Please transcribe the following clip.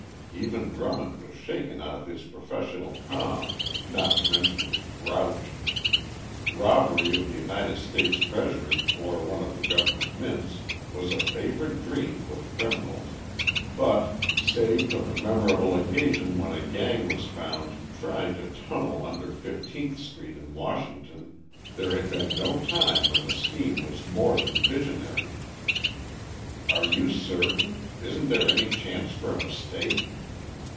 Even Drummond was shaken out of his professional calm, not to mention his grouch. Robbery of the United States Treasury or one of the government Mints was a favorite dream with criminals, but save for the memorable occasion when a gang was found trying to tunnel under Fifteenth Street in Washington there had been no time when the scheme was more than visionary. "Are you certain? Isn't there any chance for a mistake?"